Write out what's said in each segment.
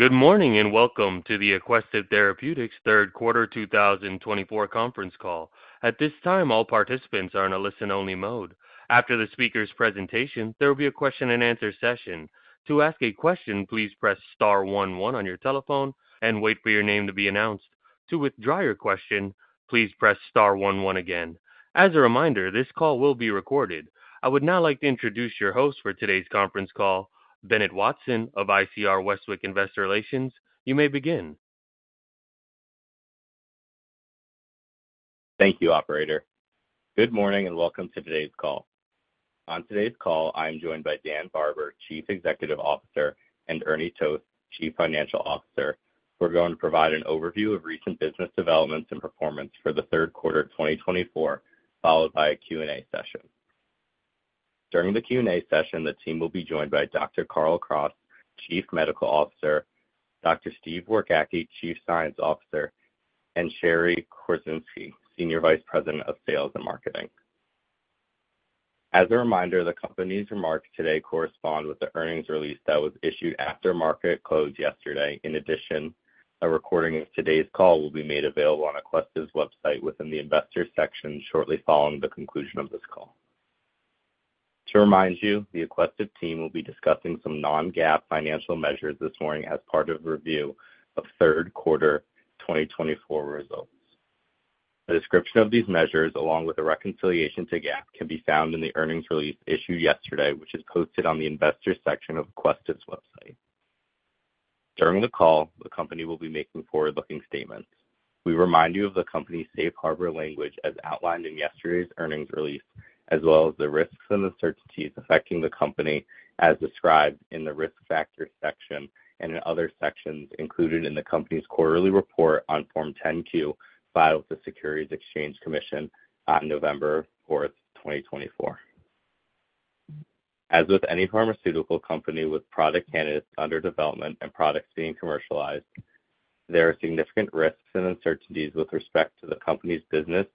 Good morning and welcome to the Aquestive Therapeutics Third Quarter 2024 conference call. At this time, all participants are in a listen-only mode. After the speaker's presentation, there will be a question-and-answer session. To ask a question, please press star 11 on your telephone and wait for your name to be announced. To withdraw your question, please press star 11 again. As a reminder, this call will be recorded. I would now like to introduce your host for today's conference call, Bennett Watson of ICR Westwicke Investor Relations. You may begin. Thank you, Operator. Good morning and welcome to today's call. On today's call, I am joined by Dan Barber, Chief Executive Officer, and Ernie Toth, Chief Financial Officer. We're going to provide an overview of recent business developments and performance for the third quarter 2024, followed by a Q&A session. During the Q&A session, the team will be joined by Dr. Carl Kraus, Chief Medical Officer, Dr. Steve Wargacki, Chief Science Officer, and Sherry Korczynski, Senior Vice President of Sales and Marketing. As a reminder, the company's remarks today correspond with the earnings release that was issued after market close yesterday. In addition, a recording of today's call will be made available on Aquestive's website within the investor section shortly following the conclusion of this call. To remind you, the Aquestive team will be discussing some non-GAAP financial measures this morning as part of the review of third quarter 2024 results. A description of these measures, along with a reconciliation to GAAP, can be found in the earnings release issued yesterday, which is posted on the investor section of Aquestive's website. During the call, the company will be making forward-looking statements. We remind you of the company's safe harbor language as outlined in yesterday's earnings release, as well as the risks and uncertainties affecting the company as described in the risk factor section and in other sections included in the company's quarterly report on Form 10-Q filed with the Securities and Exchange Commission on November 4th, 2024. As with any pharmaceutical company with product candidates under development and products being commercialized, there are significant risks and uncertainties with respect to the company's business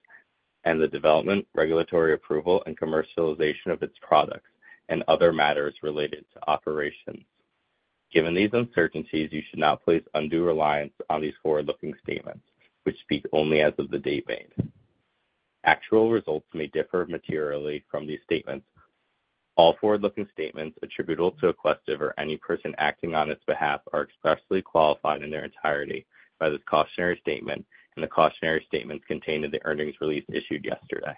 and the development, regulatory approval, and commercialization of its products and other matters related to operations. Given these uncertainties, you should not place undue reliance on these forward-looking statements, which speak only as of the date made. Actual results may differ materially from these statements. All forward-looking statements attributable to Aquestive or any person acting on its behalf are expressly qualified in their entirety by this cautionary statement and the cautionary statements contained in the earnings release issued yesterday.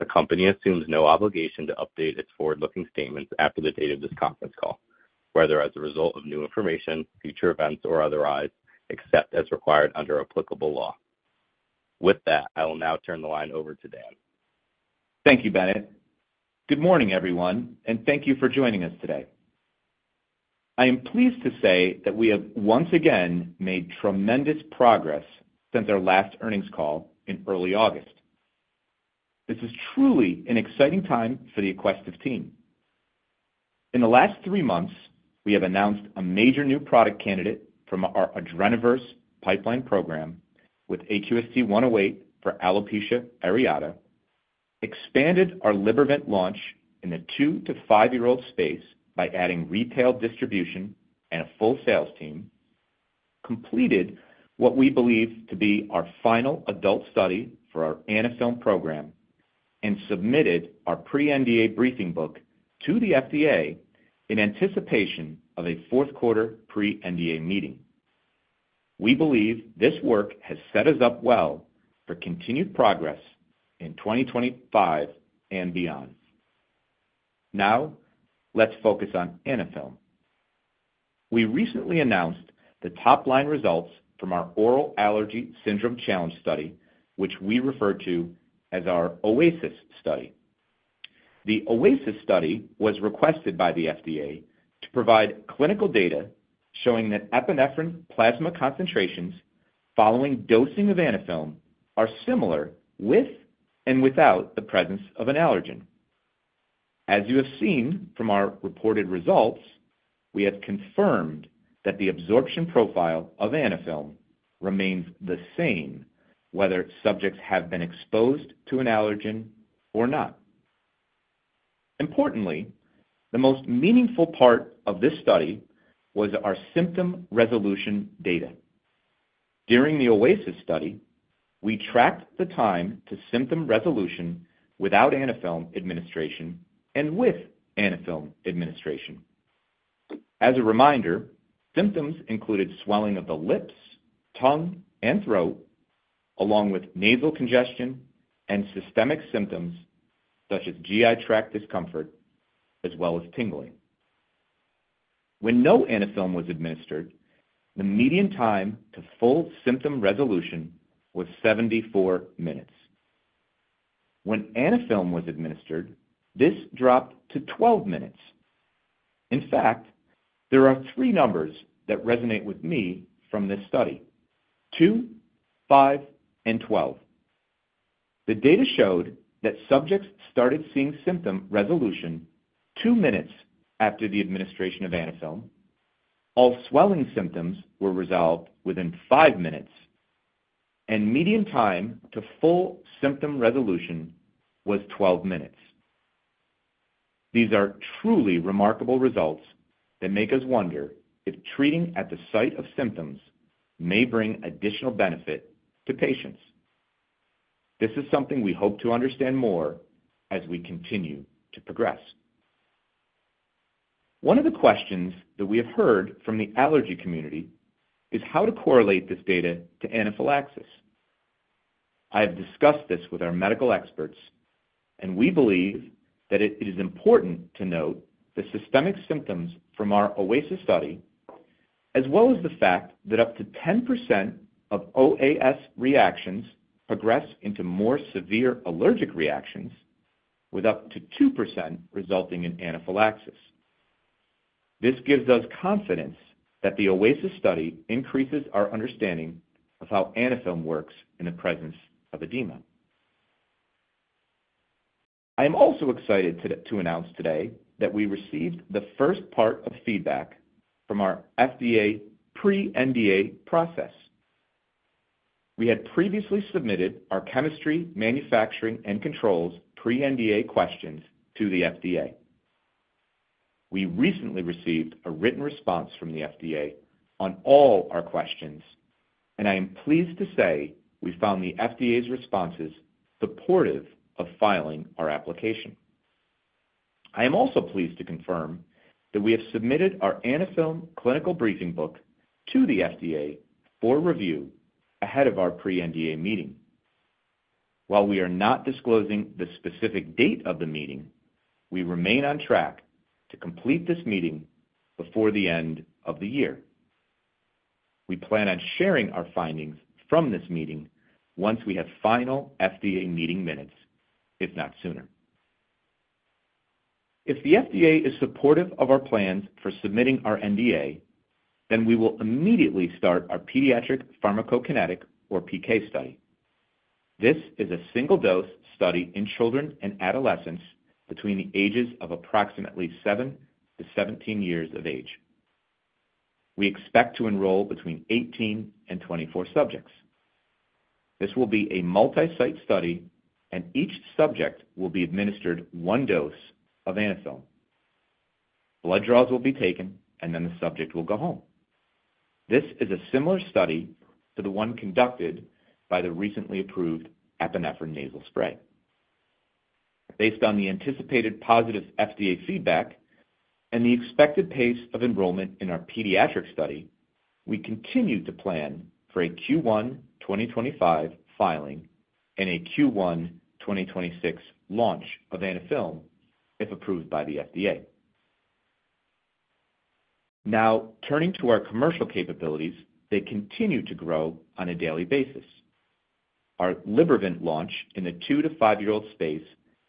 The company assumes no obligation to update its forward-looking statements after the date of this conference call, whether as a result of new information, future events, or otherwise, except as required under applicable law. With that, I will now turn the line over to Dan. Thank you, Bennett. Good morning, everyone, and thank you for joining us today. I am pleased to say that we have once again made tremendous progress since our last earnings call in early August. This is truly an exciting time for the Aquestive team. In the last three months, we have announced a major new product candidate from our Adrenaverse pipeline program with AQST-108 for alopecia areata, expanded our Libervant launch in the two to five-year-old space by adding retail distribution and a full sales team, completed what we believe to be our final adult study for our Anaphylm program, and submitted our pre-NDA briefing book to the FDA in anticipation of a fourth quarter pre-NDA meeting. We believe this work has set us up well for continued progress in 2025 and beyond. Now, let's focus on Anaphylm. We recently announced the top-line results from our Oral Allergy Syndrome challenge study, which we refer to as our OASIS study. The OASIS study was requested by the FDA to provide clinical data showing that epinephrine plasma concentrations following dosing of Anaphylm are similar with and without the presence of an allergen. As you have seen from our reported results, we have confirmed that the absorption profile of Anaphylm remains the same, whether subjects have been exposed to an allergen or not. Importantly, the most meaningful part of this study was our symptom resolution data. During the OASIS study, we tracked the time to symptom resolution without Anaphylm administration and with Anaphyl administration. As a reminder, symptoms included swelling of the lips, tongue, and throat, along with nasal congestion and systemic symptoms such as GI tract discomfort as well as tingling. When no Anaphylm was administered, the median time to full symptom resolution was 74 minutes. When Anaphylm was administered, this dropped to 12 minutes. In fact, there are three numbers that resonate with me from this study: 2, 5, and 12. The data showed that subjects started seeing symptom resolution two minutes after the administration of Anaphylm. All swelling symptoms were resolved within five minutes, and median time to full symptom resolution was 12 minutes. These are truly remarkable results that make us wonder if treating at the site of symptoms may bring additional benefit to patients. This is something we hope to understand more as we continue to progress. One of the questions that we have heard from the allergy community is how to correlate this data to anaphylaxis. I have discussed this with our medical experts, and we believe that it is important to note the systemic symptoms from our OASIS study, as well as the fact that up to 10% of OAS reactions progress into more severe allergic reactions, with up to 2% resulting in anaphylaxis. This gives us confidence that the OASIS study increases our understanding of how Anaphylm works in the presence of edema. I am also excited to announce today that we received the first part of feedback from our FDA pre-NDA process. We had previously submitted our chemistry, manufacturing, and controls pre-NDA questions to the FDA. We recently received a written response from the FDA on all our questions, and I am pleased to say we found the FDA's responses supportive of filing our application. I am also pleased to confirm that we have submitted our Anaphylm clinical briefing book to the FDA for review ahead of our pre-NDA meeting. While we are not disclosing the specific date of the meeting, we remain on track to complete this meeting before the end of the year. We plan on sharing our findings from this meeting once we have final FDA meeting minutes, if not sooner. If the FDA is supportive of our plans for submitting our NDA, then we will immediately start our pediatric pharmacokinetic or PK study. This is a single-dose study in children and adolescents between the ages of approximately seven to 17 years of age. We expect to enroll between 18 and 24 subjects. This will be a multi-site study, and each subject will be administered one dose of Anaphylm. Blood draws will be taken, and then the subject will go home. This is a similar study to the one conducted by the recently approved epinephrine nasal spray. Based on the anticipated positive FDA feedback and the expected pace of enrollment in our pediatric study, we continue to plan for a Q1 2025 filing and a Q1 2026 launch of Anaphylm if approved by the FDA. Now, turning to our commercial capabilities, they continue to grow on a daily basis. Our LiberVent launch in the two to five-year-old space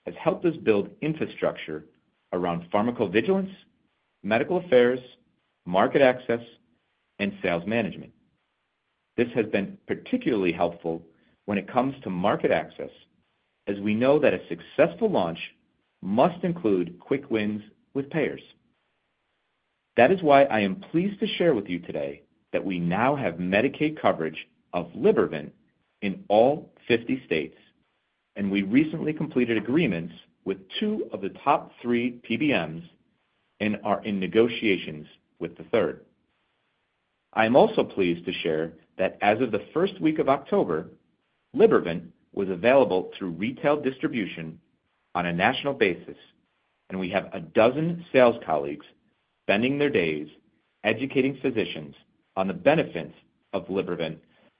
has helped us build infrastructure around pharmacovigilance, medical affairs, market access, and sales management. This has been particularly helpful when it comes to market access, as we know that a successful launch must include quick wins with payers. That is why I am pleased to share with you today that we now have Medicaid coverage of LiberVent in all 50 states, and we recently completed agreements with two of the top three PBMs and are in negotiations with the third. I am also pleased to share that as of the first week of October, LiberVent was available through retail distribution on a national basis, and we have a dozen sales colleagues spending their days educating physicians on the benefits of LiberVent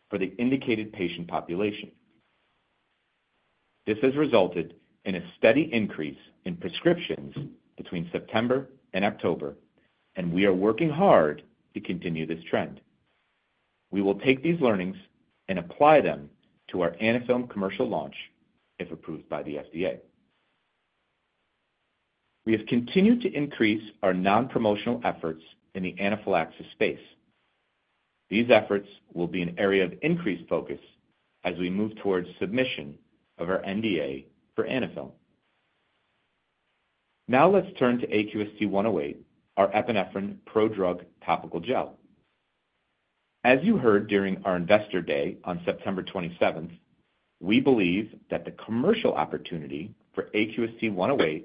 for the indicated patient population. This has resulted in a steady increase in prescriptions between September and October, and we are working hard to continue this trend. We will take these learnings and apply them to our Anaphylm commercial launch if approved by the FDA. We have continued to increase our non-promotional efforts in the anaphylaxis space. These efforts will be an area of increased focus as we move towards submission of our NDA for Anaphil. Now, let's turn to AQST-108, our epinephrine prodrug topical gel. As you heard during our investor day on September 27th, we believe that the commercial opportunity for AQST-108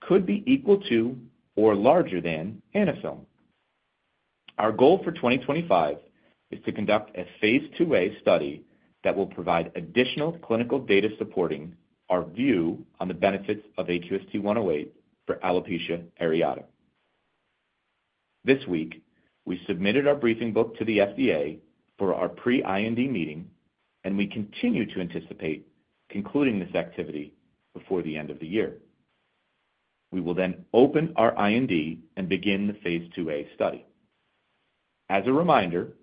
could be equal to or larger than Anaphil. Our goal for 2025 is to conduct a phase 2a study that will provide additional clinical data supporting our view on the benefits of AQST-108 for alopecia areata. This week, we submitted our briefing book to the FDA for our pre-IND meeting, and we continue to anticipate concluding this activity before the end of the year. We will then open our IND and begin the phase 2a study. As a reminder,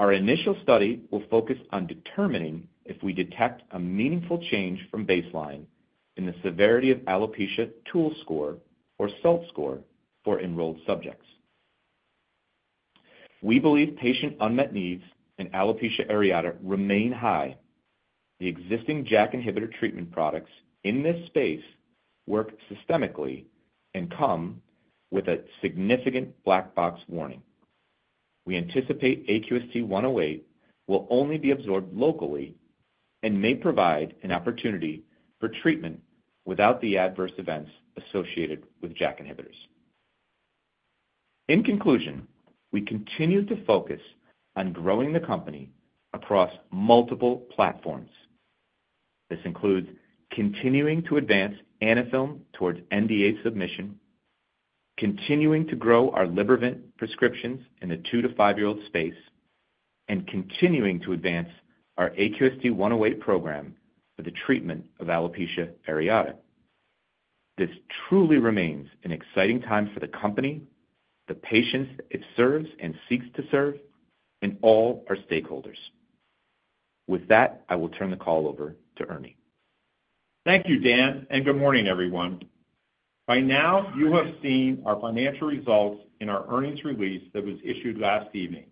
our initial study will focus on determining if we detect a meaningful change from baseline in the SALT score for enrolled subjects. We believe patient unmet needs in alopecia areata remain high. The existing JAK inhibitor treatment products in this space work systemically and come with a significant black box warning. We anticipate AQST-108 will only be absorbed locally and may provide an opportunity for treatment without the adverse events associated with JAK inhibitors. In conclusion, we continue to focus on growing the company across multiple platforms. This includes continuing to advance Anaphil towards NDA submission, continuing to grow our LiberVent prescriptions in the two to five-year-old space, and continuing to advance our AQST-108 program for the treatment of alopecia areata. This truly remains an exciting time for the company, the patients it serves and seeks to serve, and all our stakeholders. With that, I will turn the call over to Ernie. Thank you, Dan, and good morning, everyone. By now, you have seen our financial results in our earnings release that was issued last evening.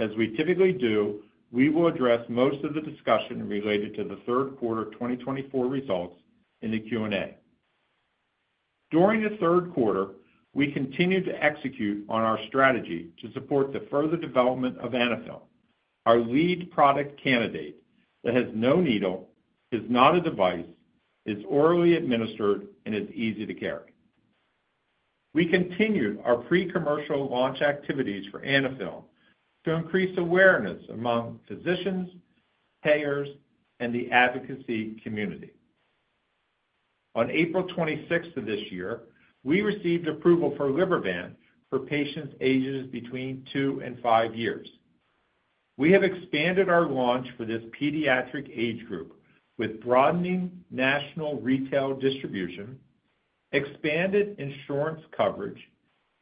As we typically do, we will address most of the discussion related to the third quarter 2024 results in the Q&A. During the third quarter, we continued to execute on our strategy to support the further development of Anaphil, our lead product candidate that has no needle, is not a device, is orally administered, and is easy to carry. We continued our pre-commercial launch activities for Anaphil to increase awareness among physicians, payers, and the advocacy community. On April 26th of this year, we received approval for LiberVent for patients ages between two and five years. We have expanded our launch for this pediatric age group with broadening national retail distribution, expanded insurance coverage,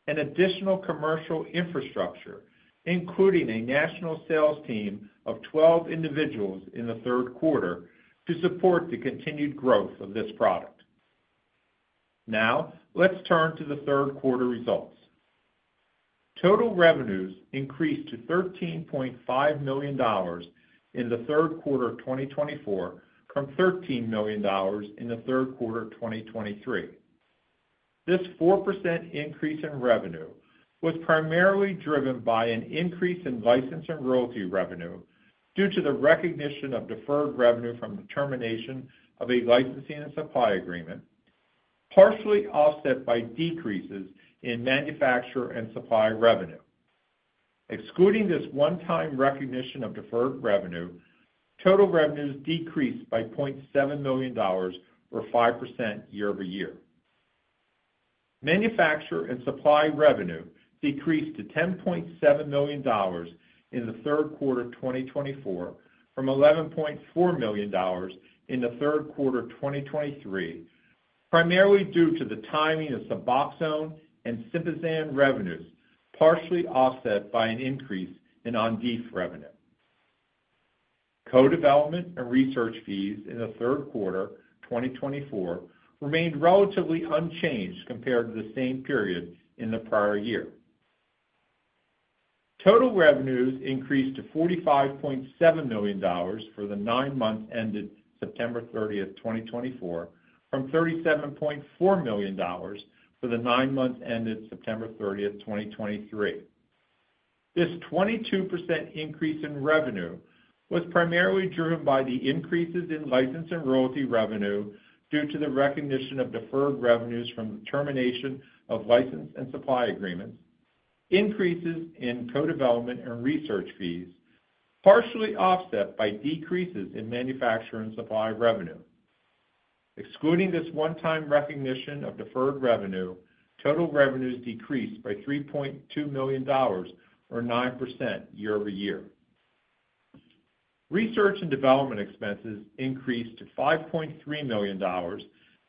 and additional commercial infrastructure, including a national sales team of 12 individuals in the third quarter to support the continued growth of this product. Now, let's turn to the third quarter results. Total revenues increased to $13.5 million in the third quarter 2024 from $13 million in the third quarter 2023. This 4% increase in revenue was primarily driven by an increase in license and royalty revenue due to the recognition of deferred revenue from the termination of a licensing and supply agreement, partially offset by decreases in manufacturing and supply revenue. Excluding this one-time recognition of deferred revenue, total revenues decreased by $0.7 million or 5% year over year. Manufacturer and supply revenue decreased to $10.7 million in the third quarter 2024 from $11.4 million in the third quarter 2023, primarily due to the timing of Suboxone and Sympazan revenues, partially offset by an increase in Ondansetron revenue. Co-development and research fees in the third quarter 2024 remained relatively unchanged compared to the same period in the prior year. Total revenues increased to $45.7 million for the nine months ended September 30th, 2024, from $37.4 million for the nine months ended September 30th, 2023. This 22% increase in revenue was primarily driven by the increases in license and royalty revenue due to the recognition of deferred revenues from the termination of license and supply agreements, increases in co-development and research fees, partially offset by decreases in manufacturer and supply revenue. Excluding this one-time recognition of deferred revenue, total revenues decreased by $3.2 million or 9% year over year. Research and development expenses increased to $5.3 million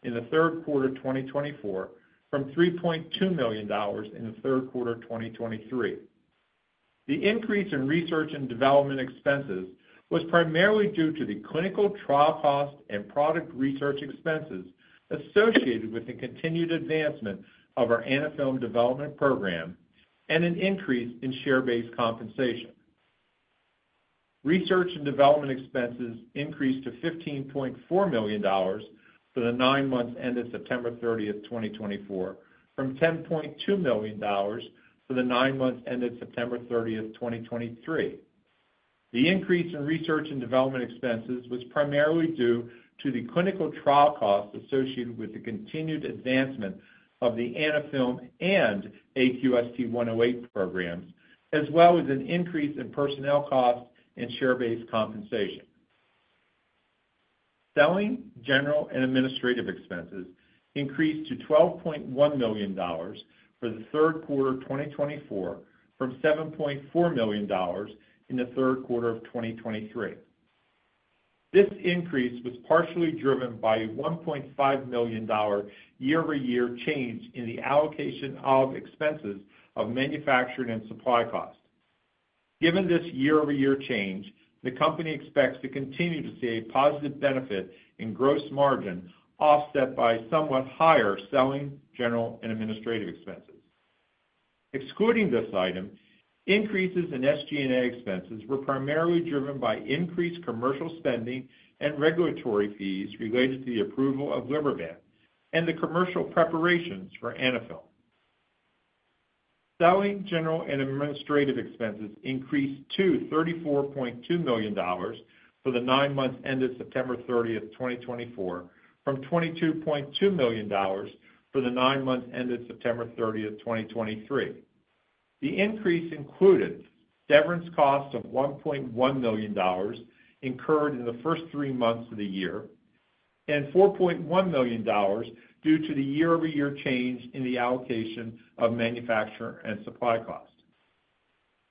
in the third quarter 2024 from $3.2 million in the third quarter 2023. The increase in research and development expenses was primarily due to the clinical trial cost and product research expenses associated with the continued advancement of our Anaphil development program and an increase in share-based compensation. Research and development expenses increased to $15.4 million for the nine months ended September 30th, 2024, from $10.2 million for the nine months ended September 30th, 2023. The increase in research and development expenses was primarily due to the clinical trial cost associated with the continued advancement of the Anaphil and AQST-108 programs, as well as an increase in personnel cost and share-based compensation. Selling, general, and administrative expenses increased to $12.1 million for the third quarter 2024 from $7.4 million in the third quarter of 2023. This increase was partially driven by a $1.5 million year-over-year change in the allocation of expenses of manufacturing and supply cost. Given this year-over-year change, the company expects to continue to see a positive benefit in gross margin offset by somewhat higher selling, general, and administrative expenses. Excluding this item, increases in SG&A expenses were primarily driven by increased commercial spending and regulatory fees related to the approval of LiberVent and the commercial preparations for Anaphil. Selling, general, and administrative expenses increased to $34.2 million for the nine months ended September 30th, 2024, from $22.2 million for the nine months ended September 30th, 2023. The increase included severance cost of $1.1 million incurred in the first three months of the year and $4.1 million due to the year-over-year change in the allocation of manufacturing and supply cost.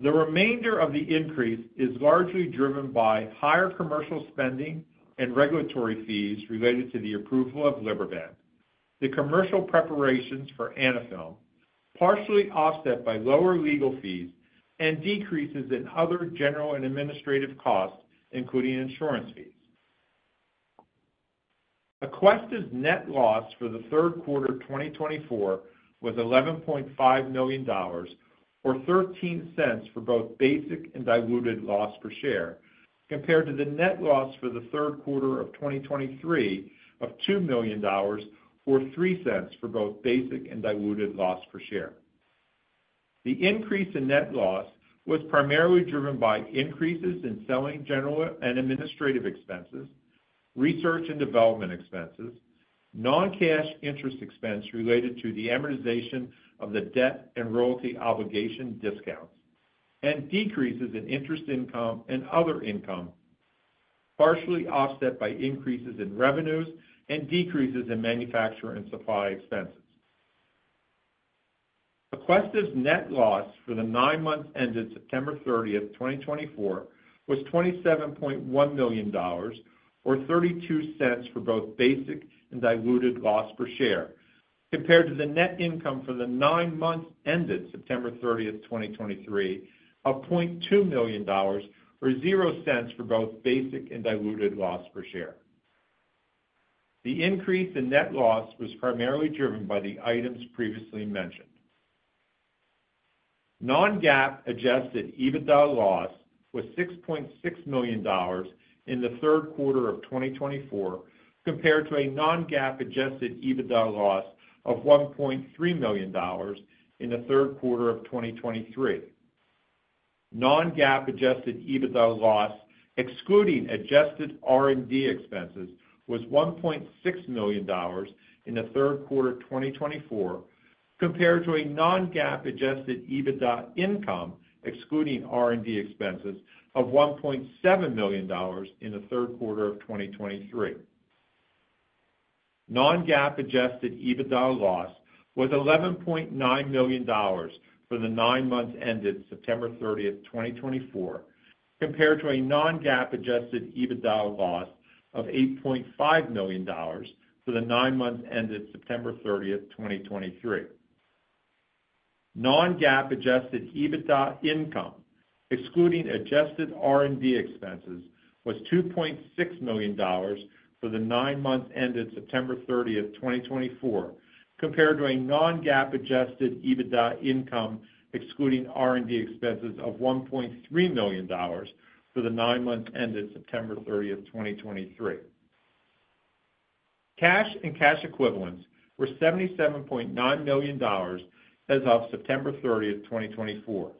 The remainder of the increase is largely driven by higher commercial spending and regulatory fees related to the approval of LiberVent, the commercial preparations for Anaphil, partially offset by lower legal fees and decreases in other general and administrative costs, including insurance fees. Aquestive's net loss for the third quarter 2024 was $11.5 million or $0.13 for both basic and diluted loss per share, compared to the net loss for the third quarter of 2023 of $2 million or $0.03 for both basic and diluted loss per share. The increase in net loss was primarily driven by increases in selling, general, and administrative expenses, research and development expenses, non-cash interest expense related to the amortization of the debt and royalty obligation discounts, and decreases in interest income and other income, partially offset by increases in revenues and decreases in manufacturer and supply expenses. Aquestive's net loss for the nine months ended September 30th, 2024, was $27.1 million or $0.32 for both basic and diluted loss per share, compared to the net income for the nine months ended September 30th, 2023, of $0.2 million or $0.00 for both basic and diluted loss per share. The increase in net loss was primarily driven by the items previously mentioned. Non-GAAP adjusted EBITDA loss was $6.6 million in the third quarter of 2024, compared to a non-GAAP adjusted EBITDA loss of $1.3 million in the third quarter of 2023. Non-GAAP adjusted EBITDA loss, excluding adjusted R&D expenses, was $1.6 million in the third quarter 2024, compared to a non-GAAP adjusted EBITDA income, excluding R&D expenses, of $1.7 million in the third quarter of 2023. Non-GAAP adjusted EBITDA loss was $11.9 million for the nine months ended September 30th, 2024, compared to a non-GAAP adjusted EBITDA loss of $8.5 million for the nine months ended September 30th, 2023. Non-GAAP adjusted EBITDA income, excluding adjusted R&D expenses, was $2.6 million for the nine months ended September 30th, 2024, compared to a non-GAAP adjusted EBITDA income, excluding R&D expenses, of $1.3 million for the nine months ended September 30th, 2023. Cash and cash equivalents were $77.9 million as of September 30th, 2024.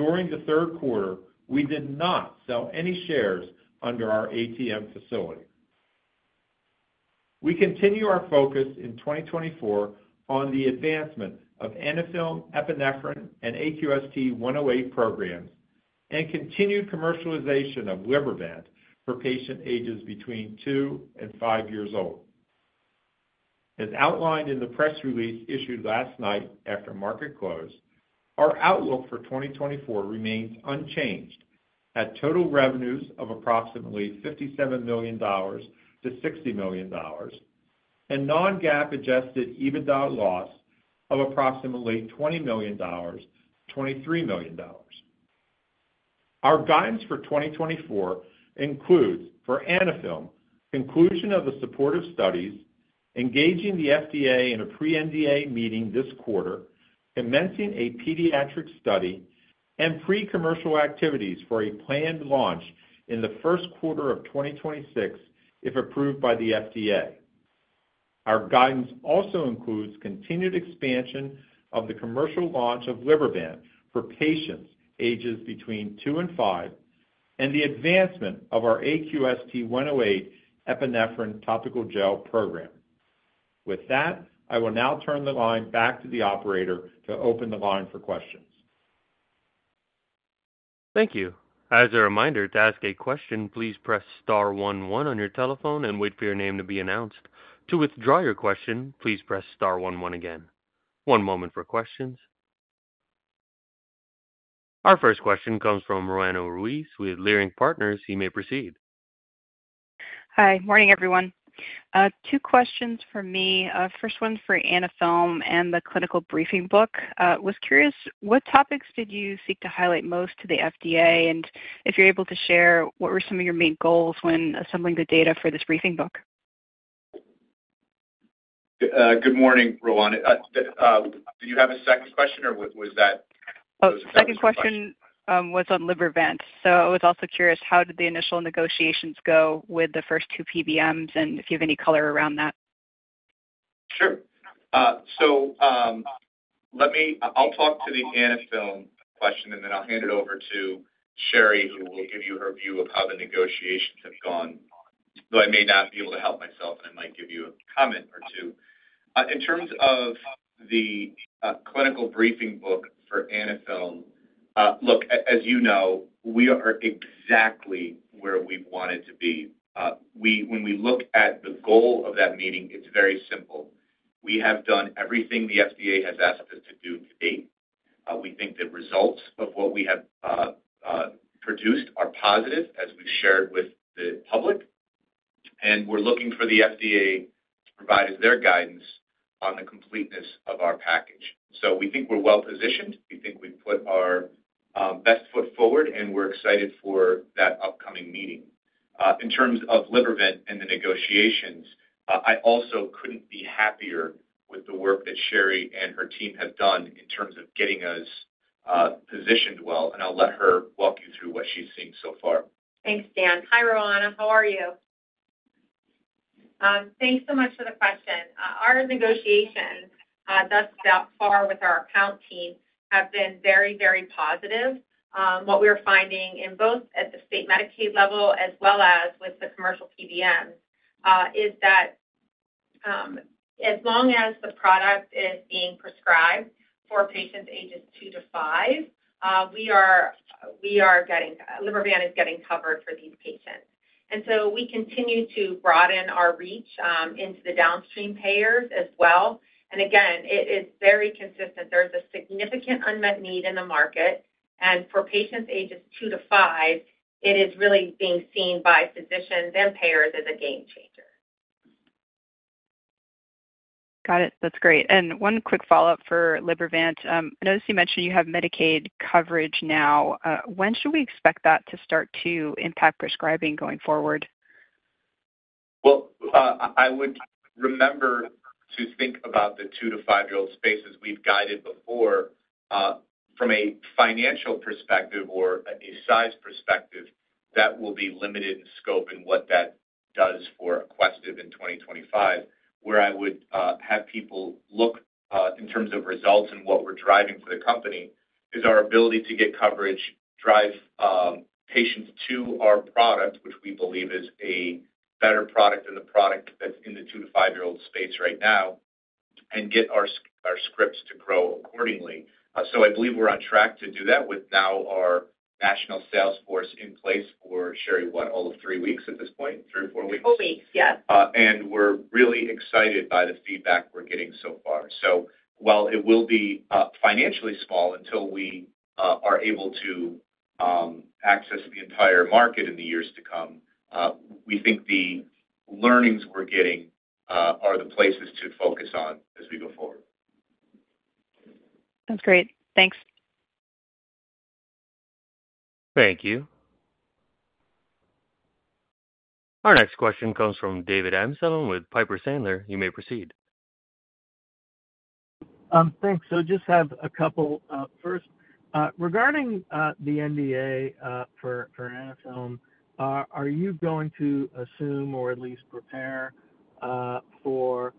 During the third quarter, we did not sell any shares under our ATM facility. We continue our focus in 2024 on the advancement of Anaphil, Epinephrine, and AQST-108 programs and continued commercialization of LiberVent for patient ages between two and five years old. As outlined in the press release issued last night after market close, our outlook for 2024 remains unchanged at total revenues of approximately $57 million-$60 million and non-GAAP adjusted EBITDA loss of approximately $20 million-$23 million. Our guidance for 2024 includes, for Anaphil, conclusion of the supportive studies, engaging the FDA in a pre-NDA meeting this quarter, commencing a pediatric study, and pre-commercial activities for a planned launch in the first quarter of 2026 if approved by the FDA. Our guidance also includes continued expansion of the commercial launch of LiberVent for patients ages between two and five and the advancement of our AQST-108 epinephrine topical gel program. With that, I will now turn the line back to the operator to open the line for questions. Thank you. As a reminder, to ask a question, please press star 11 on your telephone and wait for your name to be announced. To withdraw your question, please press star 11 again. One moment for questions. Our first question comes from Roanna Ruiz with Leerink Partners. He may proceed. Hi. Morning, everyone. Two questions for me. First one's for Anaphil and the clinical briefing book. I was curious, what topics did you seek to highlight most to the FDA? And if you're able to share, what were some of your main goals when assembling the data for this briefing book? Good morning, Roanna. Did you have a second question, or was that? Oh, the second question was on LiberVent. So I was also curious, how did the initial negotiations go with the first two PBMs and if you have any color around that? Sure. So I'll talk to the Anaphil question, and then I'll hand it over to Sherry, who will give you her view of how the negotiations have gone. Though I may not be able to help myself, and I might give you a comment or two. In terms of the clinical briefing book for Anaphil, look, as you know, we are exactly where we've wanted to be. When we look at the goal of that meeting, it's very simple. We have done everything the FDA has asked us to do to date. We think the results of what we have produced are positive, as we've shared with the public. And we're looking for the FDA to provide us their guidance on the completeness of our package. So we think we're well-positioned. We think we've put our best foot forward, and we're excited for that upcoming meeting. In terms of LiberVent and the negotiations, I also couldn't be happier with the work that Sherry and her team have done in terms of getting us positioned well. And I'll let her walk you through what she's seen so far. Thanks, Dan. Hi, Roanna. How are you? Thanks so much for the question. Our negotiations, thus far with our account team, have been very, very positive. What we're finding both at the state Medicaid level as well as with the commercial PBMs is that as long as the product is being prescribed for patients ages two to five, LiberVent is getting covered for these patients. And so we continue to broaden our reach into the downstream payers as well. And again, it is very consistent. There's a significant unmet need in the market. And for patients ages two to five, it is really being seen by physicians and payers as a game changer. Got it. That's great. And one quick follow-up for LiberVent. I noticed you mentioned you have Medicaid coverage now. When should we expect that to start to impact prescribing going forward? I would remember to think about the two to five-year-old spaces we've guided before. From a financial perspective or a size perspective, that will be limited in scope and what that does for Aquestive in 2025. Where I would have people look in terms of results and what we're driving for the company is our ability to get coverage, drive patients to our product, which we believe is a better product than the product that's in the two to five-year-old space right now, and get our scripts to grow accordingly. I believe we're on track to do that with now our national sales force in place for Sherry what? All of three weeks at this point? Three or four weeks? Four weeks, yes. And we're really excited by the feedback we're getting so far. So while it will be financially small until we are able to access the entire market in the years to come, we think the learnings we're getting are the places to focus on as we go forward. That's great. Thanks. Thank you. Our next question comes from David Amsellem with Piper Sandler. You may proceed. Thanks. So just have a couple first. Regarding the NDA for Anaphil, are you going to assume or at least prepare for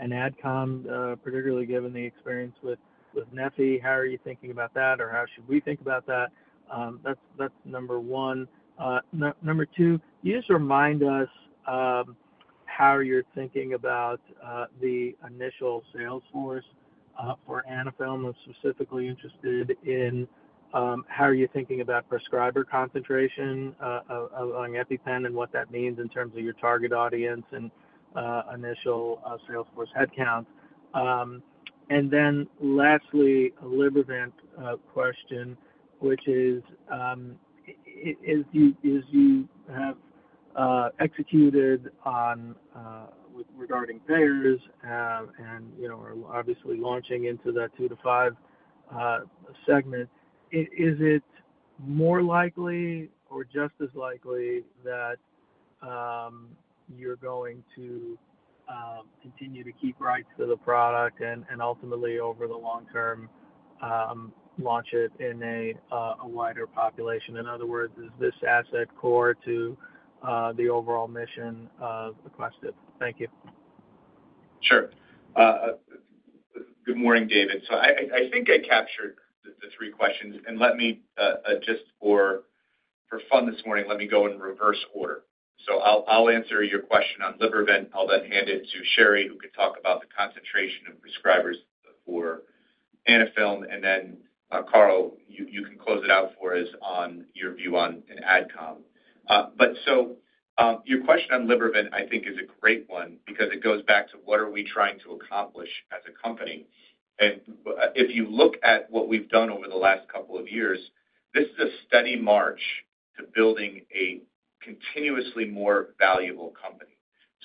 an adcom, particularly given the experience with neffy? How are you thinking about that? Or how should we think about that? That's number one. Number two, you just remind us how you're thinking about the initial sales force for Anaphil. I'm specifically interested in how are you thinking about prescriber concentration among EpiPen and what that means in terms of your target audience and initial sales force headcount. And then lastly, a LiberVent question, which is, as you have executed regarding payers and obviously launching into that two to five segment, is it more likely or just as likely that you're going to continue to keep rights to the product and ultimately, over the long term, launch it in a wider population? In other words, is this asset core to the overall mission of Aquestive? Thank you. Sure. Good morning, David. So I think I captured the three questions, and just for fun this morning, let me go in reverse order. So I'll answer your question on LiberVent. I'll then hand it to Sherry, who can talk about the concentration of prescribers for Anaphil. And then, Carl, you can close it out for us on your view on an adcom, but so your question on LiberVent, I think, is a great one because it goes back to what are we trying to accomplish as a company. And if you look at what we've done over the last couple of years, this is a steady march to building a continuously more valuable company,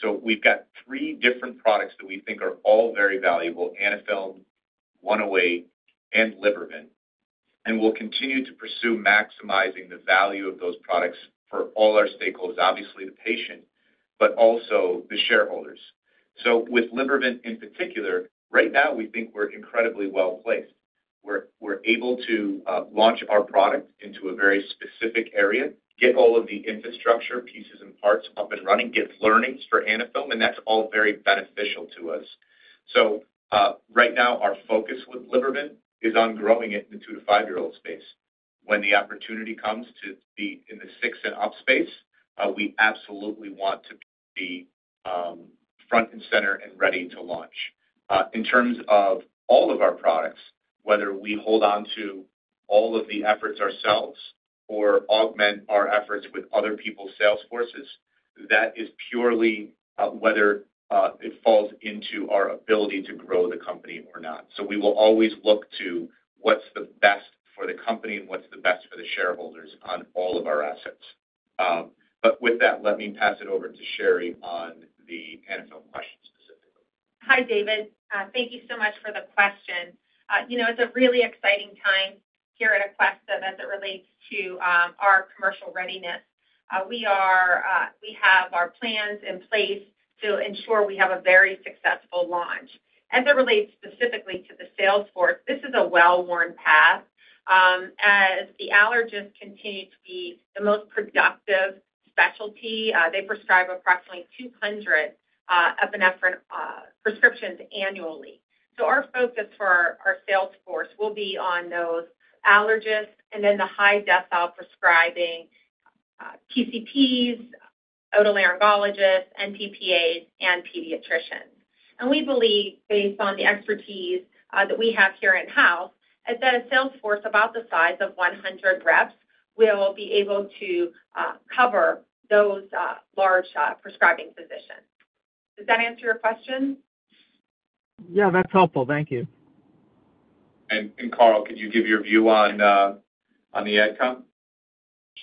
so we've got three different products that we think are all very valuable: Anaphil, 108, and LiberVent. We'll continue to pursue maximizing the value of those products for all our stakeholders, obviously the patient, but also the shareholders. With LiberVent in particular, right now, we think we're incredibly well-placed. We're able to launch our product into a very specific area, get all of the infrastructure pieces and parts up and running, get learnings for Anaphil, and that's all very beneficial to us. Right now, our focus with LiberVent is on growing it in the two- to five-year-old space. When the opportunity comes to be in the six and up space, we absolutely want to be front and center and ready to launch. In terms of all of our products, whether we hold on to all of the efforts ourselves or augment our efforts with other people's sales forces, that is purely whether it falls into our ability to grow the company or not. We will always look to what's the best for the company and what's the best for the shareholders on all of our assets. With that, let me pass it over to Sherry on the Anaphil question specifically. Hi, David. Thank you so much for the question. It's a really exciting time here at Aquestive as it relates to our commercial readiness. We have our plans in place to ensure we have a very successful launch. As it relates specifically to the sales force, this is a well-worn path. As the allergists continue to be the most productive specialty, they prescribe approximately 200 epinephrine prescriptions annually. So our focus for our sales force will be on those allergists and then the high-decile prescribing PCPs, otolaryngologists, NPPAs, and pediatricians. We believe, based on the expertise that we have here in-house, that a sales force about the size of 100 reps will be able to cover those large prescribing positions. Does that answer your question? Yeah, that's helpful. Thank you. Carl, could you give your view on the adcom?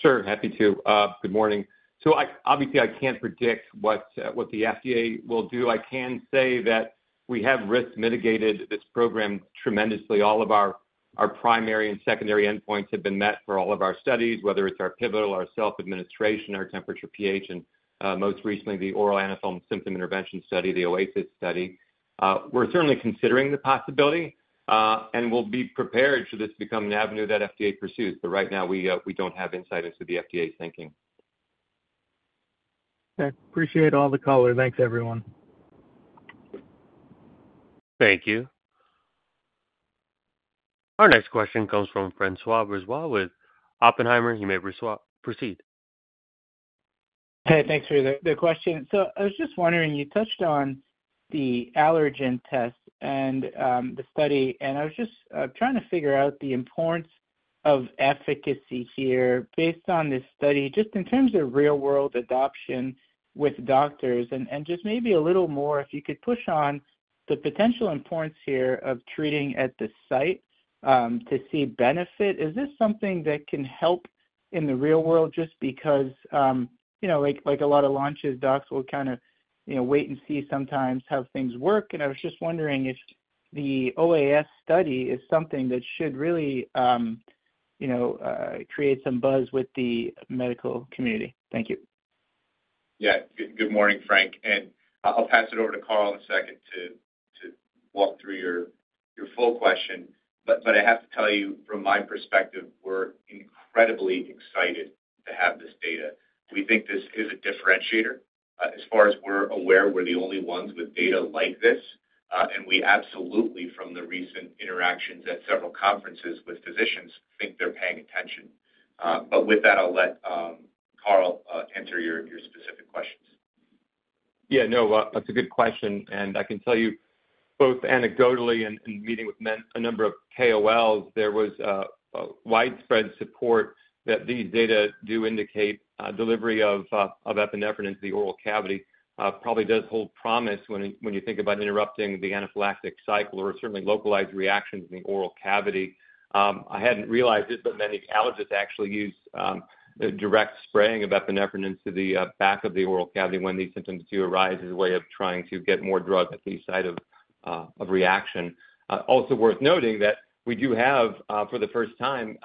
Sure. Happy to. Good morning. So obviously, I can't predict what the FDA will do. I can say that we have risk mitigated this program tremendously. All of our primary and secondary endpoints have been met for all of our studies, whether it's our pivotal, our self-administration, our temperature, pH, and most recently, the oral Anaphil symptom intervention study, the OASIS study. We're certainly considering the possibility and will be prepared should this become an avenue that FDA pursues. But right now, we don't have insight into the FDA's thinking. Okay. Appreciate all the color. Thanks, everyone. Thank you. Our next question comes from François Brisebois with Oppenheimer. You may proceed. Hey, thanks for the question. So I was just wondering, you touched on the allergen test and the study. And I was just trying to figure out the importance of efficacy here based on this study, just in terms of real-world adoption with doctors. And just maybe a little more, if you could push on the potential importance here of treating at the site to see benefit. Is this something that can help in the real world just because, like a lot of launches, docs will kind of wait and see sometimes how things work? And I was just wondering if the OAS study is something that should really create some buzz with the medical community. Thank you. Yeah. Good morning, Frank. And I'll pass it over to Carl in a second to walk through your full question. But I have to tell you, from my perspective, we're incredibly excited to have this data. We think this is a differentiator. As far as we're aware, we're the only ones with data like this. And we absolutely, from the recent interactions at several conferences with physicians, think they're paying attention. But with that, I'll let Carl answer your specific questions. Yeah. No, that's a good question, and I can tell you, both anecdotally and meeting with a number of KOLs, there was widespread support that these data do indicate delivery of epinephrine into the oral cavity probably does hold promise when you think about interrupting the anaphylactic cycle or certainly localized reactions in the oral cavity. I hadn't realized it, but many allergists actually use direct spraying of epinephrine into the back of the oral cavity when these symptoms do arise as a way of trying to get more drug at the site of reaction. Also worth noting that we do have, for the first time,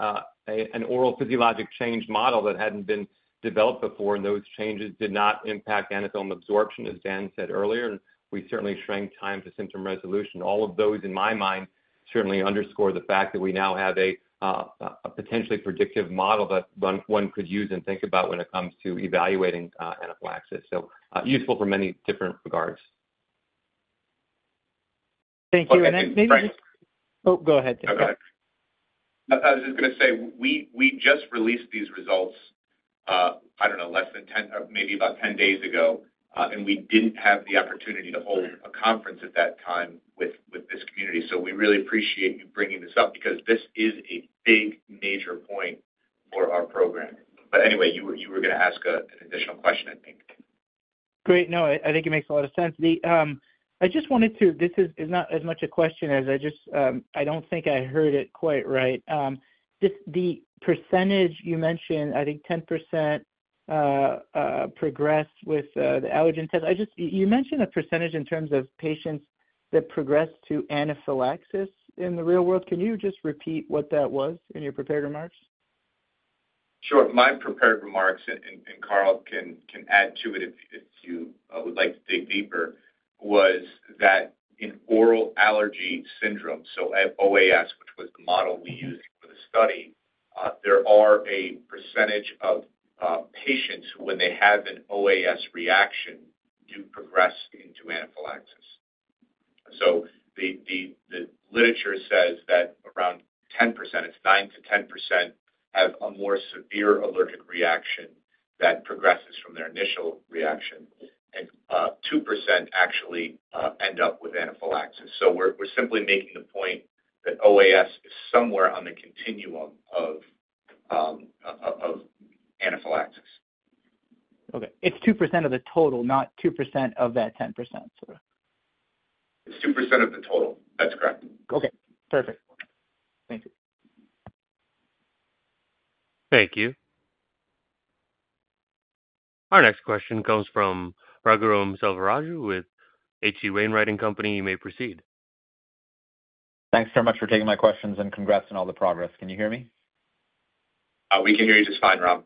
an oral physiologic change model that hadn't been developed before, and those changes did not impact Anaphil absorption, as Dan said earlier, and we certainly shrank time to symptom resolution. All of those, in my mind, certainly underscore the fact that we now have a potentially predictive model that one could use and think about when it comes to evaluating anaphylaxis. So useful from many different regards. Thank you. And then maybe. Oh, go ahead. Okay. I was just going to say we just released these results, I don't know, less than 10, maybe about 10 days ago, and we didn't have the opportunity to hold a conference at that time with this community, so we really appreciate you bringing this up because this is a big major point for our program, but anyway, you were going to ask an additional question, I think. Great. No, I think it makes a lot of sense. I just wanted to, this is not as much a question as I just, I don't think I heard it quite right. The percentage you mentioned, I think 10% progressed with the allergen test. You mentioned a percentage in terms of patients that progressed to anaphylaxis in the real world. Can you just repeat what that was in your prepared remarks? Sure. My prepared remarks, and Carl can add to it if you would like to dig deeper, was that in oral allergy syndrome, so OAS, which was the model we used for the study, there are a percentage of patients who, when they have an OAS reaction, do progress into anaphylaxis. So the literature says that around 10%, it's 9%-10%, have a more severe allergic reaction that progresses from their initial reaction. And 2% actually end up with anaphylaxis. So we're simply making the point that OAS is somewhere on the continuum of anaphylaxis. Okay. It's 2% of the total, not 2% of that 10%, sort of. It's 2% of the total. That's correct. Okay. Perfect. Thank you. Thank you. Our next question comes from Raghuram Selvaraju with H.C. Wainwright & Co. You may proceed. Thanks so much for taking my questions and congrats on all the progress. Can you hear me? We can hear you just fine, Rag.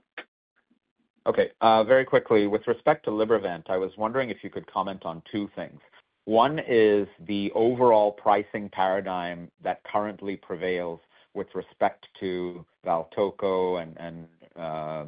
Okay. Very quickly, with respect to LiberVent, I was wondering if you could comment on two things. One is the overall pricing paradigm that currently prevails with respect to Valtoco and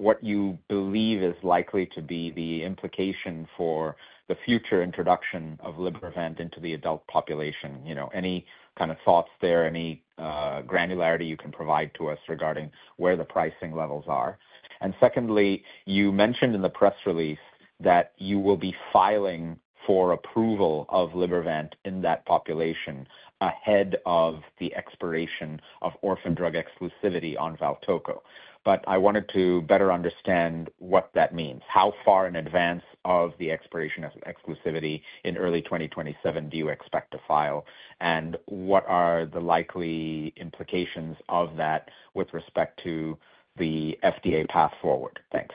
what you believe is likely to be the implication for the future introduction of LiberVent into the adult population. Any kind of thoughts there? Any granularity you can provide to us regarding where the pricing levels are? And secondly, you mentioned in the press release that you will be filing for approval of LiberVent in that population ahead of the expiration of orphan drug exclusivity on Valtoco. But I wanted to better understand what that means. How far in advance of the expiration of exclusivity in early 2027 do you expect to file? And what are the likely implications of that with respect to the FDA path forward? Thanks.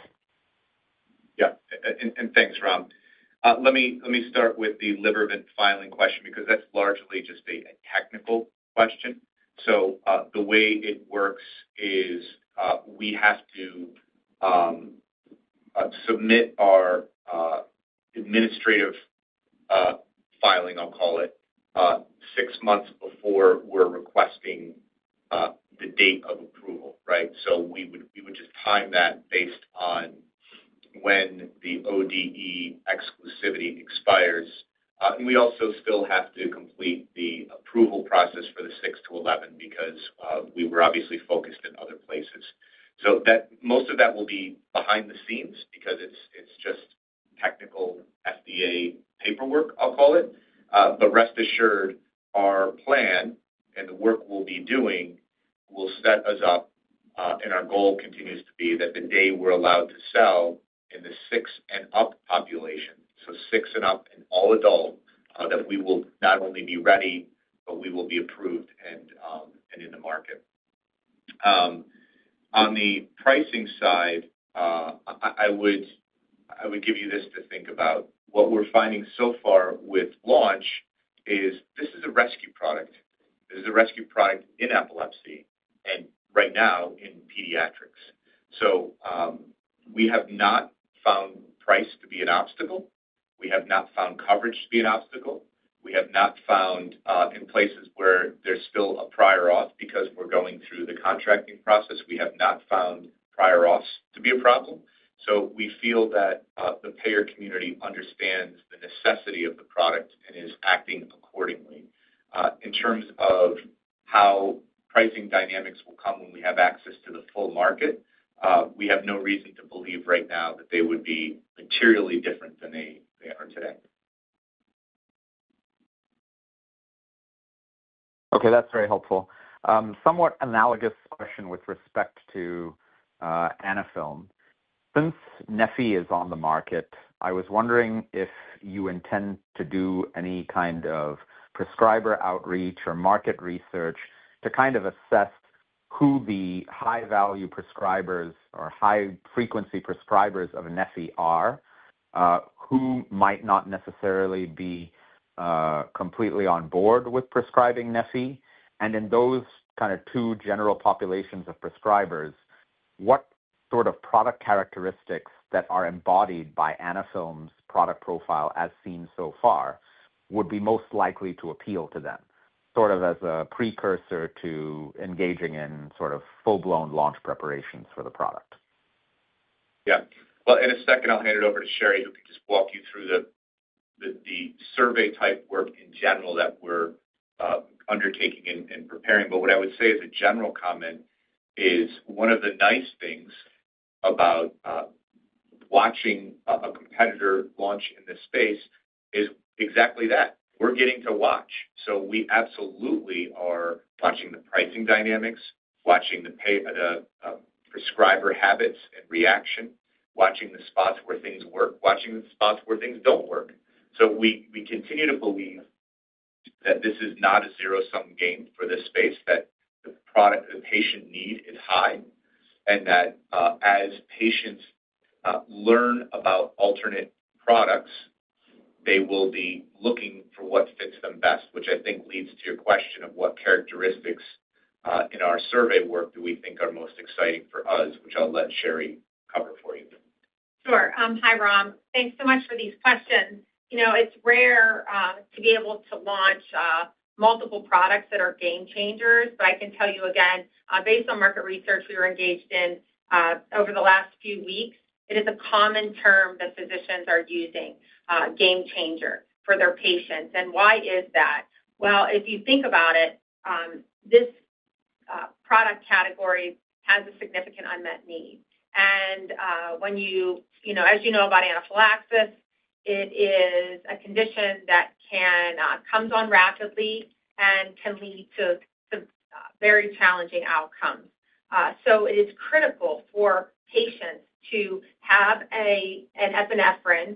Yeah. And thanks, Rag. Let me start with the LiberVent filing question because that's largely just a technical question. So the way it works is we have to submit our administrative filing, I'll call it, six months before we're requesting the date of approval, right? So we would just time that based on when the ODE exclusivity expires. And we also still have to complete the approval process for the 6 to 11 because we were obviously focused in other places. So most of that will be behind the scenes because it's just technical FDA paperwork, I'll call it. But rest assured, our plan and the work we'll be doing will set us up, and our goal continues to be that the day we're allowed to sell in the six and up population, so six and up and all adult, that we will not only be ready, but we will be approved and in the market. On the pricing side, I would give you this to think about. What we're finding so far with launch is this is a rescue product. This is a rescue product in epilepsy and right now in pediatrics. So we have not found price to be an obstacle. We have not found coverage to be an obstacle. We have not found in places where there's still a prior auth because we're going through the contracting process. We have not found prior auths to be a problem. So we feel that the payer community understands the necessity of the product and is acting accordingly. In terms of how pricing dynamics will come when we have access to the full market, we have no reason to believe right now that they would be materially different than they are today. Okay. That's very helpful. Somewhat analogous question with respect to Anaphil. Since Neffy is on the market, I was wondering if you intend to do any kind of prescriber outreach or market research to kind of assess who the high-value prescribers or high-frequency prescribers of Neffy are, who might not necessarily be completely on board with prescribing Neffy, And in those kind of two general populations of prescribers, what sort of product characteristics that are embodied by Anaphil's product profile as seen so far would be most likely to appeal to them, sort of as a precursor to engaging in sort of full-blown launch preparations for the product? Yeah. Well, in a second, I'll hand it over to Sherry, who can just walk you through the survey-type work in general that we're undertaking and preparing. But what I would say as a general comment is one of the nice things about watching a competitor launch in this space is exactly that. We're getting to watch. So we absolutely are watching the pricing dynamics, watching the prescriber habits and reaction, watching the spots where things work, watching the spots where things don't work. So we continue to believe that this is not a zero-sum game for this space, that the patient need is high, and that as patients learn about alternate products, they will be looking for what fits them best, which I think leads to your question of what characteristics in our survey work do we think are most exciting for us, which I'll let Sherry cover for you. Sure. Hi, Rob. Thanks so much for these questions. It's rare to be able to launch multiple products that are game changers. But I can tell you again, based on market research we were engaged in over the last few weeks, it is a common term that physicians are using, game changer, for their patients. And why is that? Well, if you think about it, this product category has a significant unmet need. And as you know about anaphylaxis, it is a condition that comes on rapidly and can lead to very challenging outcomes. So it is critical for patients to have an epinephrine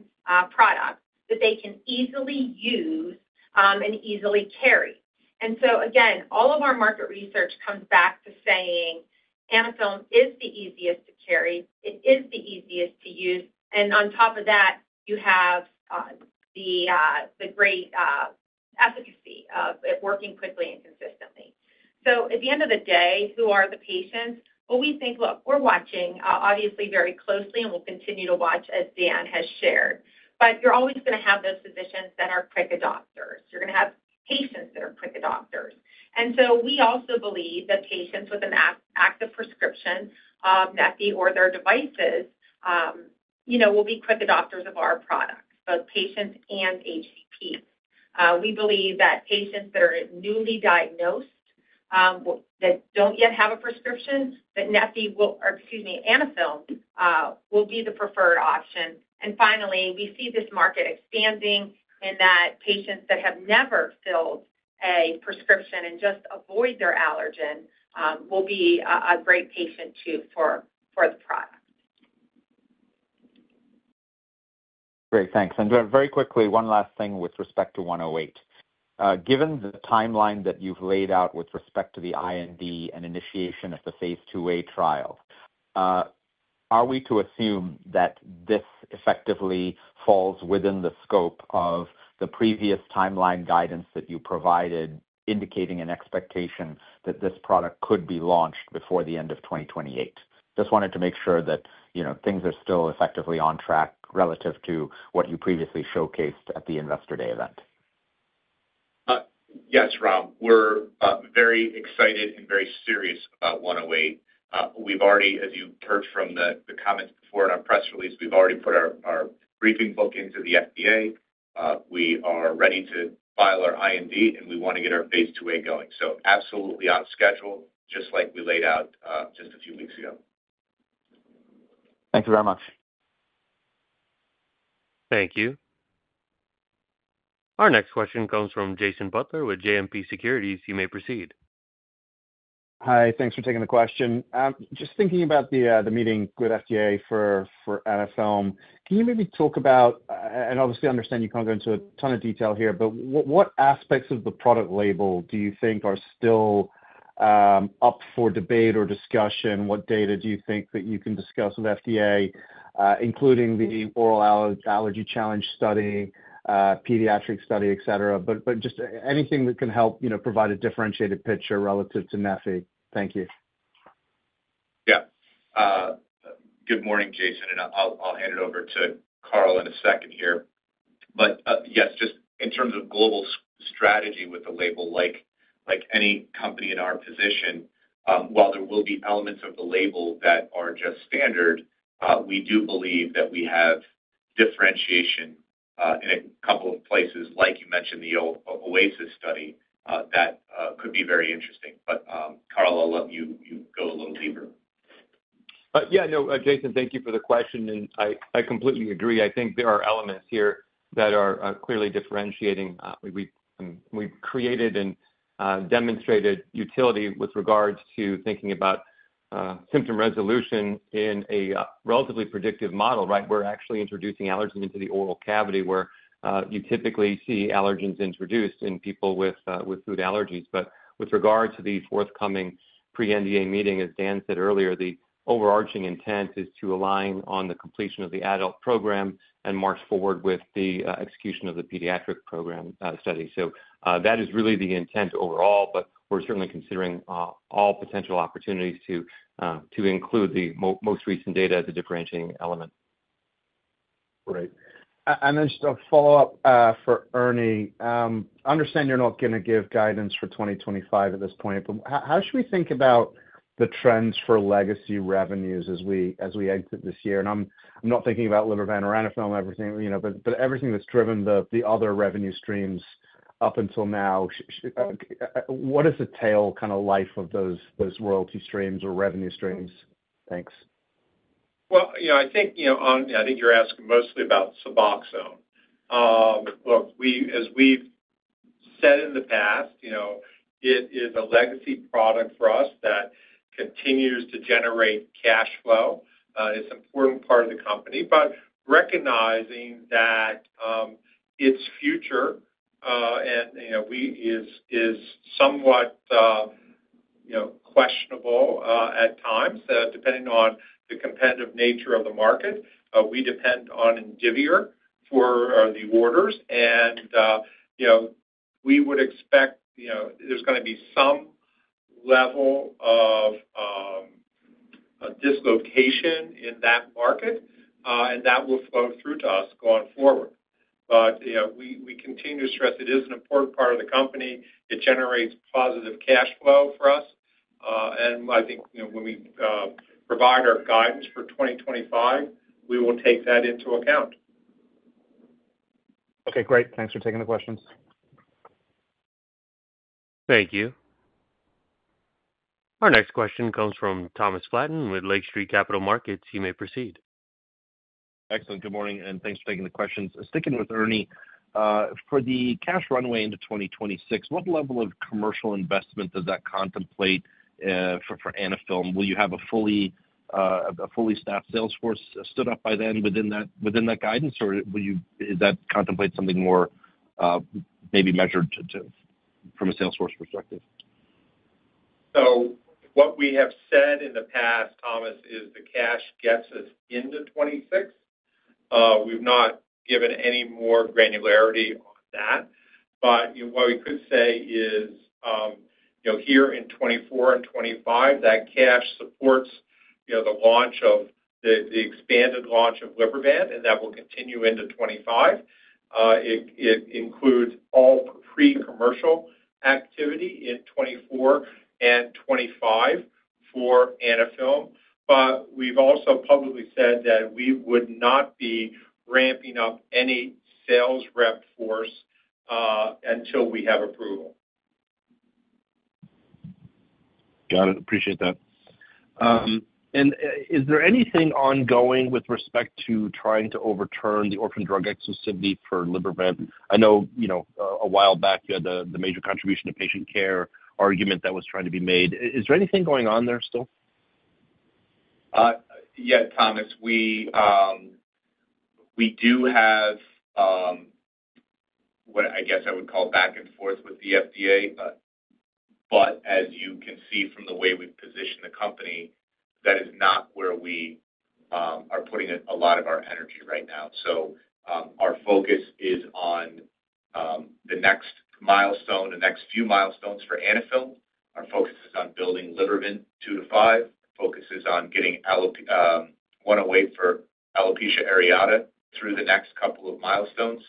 product that they can easily use and easily carry. And so, again, all of our market research comes back to saying Anaphil is the easiest to carry. It is the easiest to use. And on top of that, you have the great efficacy of it working quickly and consistently. So at the end of the day, who are the patients? Well, we think, look, we're watching, obviously, very closely, and we'll continue to watch as Dan has shared. But you're always going to have those physicians that are quick adopters. You're going to have patients that are quick adopters. And so we also believe that patients with an active prescription of Neffy or their devices will be quick adopters of our products, both patients and HCPs. We believe that patients that are newly diagnosed that don't yet have a prescription, that Neffy will—excuse me—Anaphil will be the preferred option. And finally, we see this market expanding in that patients that have never filled a prescription and just avoid their allergen will be a great patient too for the product. Great. Thanks. And very quickly, one last thing with respect to 108. Given the timeline that you've laid out with respect to the IND and initiation of the phase 2a trial, are we to assume that this effectively falls within the scope of the previous timeline guidance that you provided, indicating an expectation that this product could be launched before the end of 2028? Just wanted to make sure that things are still effectively on track relative to what you previously showcased at the investor day event. Yes, Rag. We're very excited and very serious about 108. We've already, as you heard from the comments before on our press release, we've already put our briefing book into the FDA. We are ready to file our IND, and we want to get our phase 2a going. So absolutely on schedule, just like we laid out just a few weeks ago. Thank you very much. Thank you. Our next question comes from Jason Butler with JMP Securities. You may proceed. Hi. Thanks for taking the question. Just thinking about the meeting with FDA for Anaphil, can you maybe talk about, and obviously, I understand you can't go into a ton of detail here, but what aspects of the product label do you think are still up for debate or discussion? What data do you think that you can discuss with FDA, including the oral allergy challenge study, pediatric study, etc.? But just anything that can help provide a differentiated picture relative to Neffy. Thank you. Yeah. Good morning, Jason. And I'll hand it over to Carl in a second here. But yes, just in terms of global strategy with the label, like any company in our position, while there will be elements of the label that are just standard, we do believe that we have differentiation in a couple of places, like you mentioned the OASIS study, that could be very interesting. But Carl, I'll let you go a little deeper. Yeah. No, Jason, thank you for the question. And I completely agree. I think there are elements here that are clearly differentiating. We've created and demonstrated utility with regards to thinking about symptom resolution in a relatively predictive model, right? We're actually introducing allergens into the oral cavity where you typically see allergens introduced in people with food allergies. But with regard to the forthcoming pre-NDA meeting, as Dan said earlier, the overarching intent is to align on the completion of the adult program and march forward with the execution of the pediatric program study. So that is really the intent overall, but we're certainly considering all potential opportunities to include the most recent data as a differentiating element. Great. And then just a follow-up for Ernie.I understand you're not going to give guidance for 2025 at this point, but how should we think about the trends for legacy revenues as we exit this year? And I'm not thinking about LiberVent or Anaphil and everything, but everything that's driven the other revenue streams up until now. What is the tail kind of life of those royalty streams or revenue streams? Thanks. I think you're asking mostly about Suboxone. Look, as we've said in the past, it is a legacy product for us that continues to generate cash flow. It's an important part of the company, but recognizing that its future is somewhat questionable at times, depending on the competitive nature of the market. We depend on Indivior for the orders, and we would expect there's going to be some level of dislocation in that market, and that will flow through to us going forward. But we continue to stress it is an important part of the company. It generates positive cash flow for us. And I think when we provide our guidance for 2025, we will take that into account. Okay. Great. Thanks for taking the questions. Thank you. Our next question comes from Thomas Flaten with Lake Street Capital Markets. You may proceed. Excellent. Good morning, and thanks for taking the questions. Sticking with Ernie, for the cash runway into 2026, what level of commercial investment does that contemplate for Anaphil? Will you have a fully staffed sales force stood up by then within that guidance, or does that contemplate something more maybe measured from a sales force perspective? So what we have said in the past, Thomas, is the cash gets us into 2026. We've not given any more granularity on that. But what we could say is here in 2024 and 2025, that cash supports the expanded launch of LiberVent, and that will continue into 2025. It includes all pre-commercial activity in 2024 and 2025 for Anaphil. But we've also publicly said that we would not be ramping up any sales rep force until we have approval. Got it. Appreciate that. And is there anything ongoing with respect to trying to overturn the orphan drug exclusivity for LiberVent? I know a while back you had the major contribution to patient care argument that was trying to be made. Is there anything going on there still? Yeah, Thomas. We do have what I guess I would call back and forth with the FDA. But as you can see from the way we've positioned the company, that is not where we are putting a lot of our energy right now. So our focus is on the next milestone, the next few milestones for Anaphil. Our focus is on building LiberVent $2-$5, focuses on getting 108 for alopecia areata through the next couple of milestones.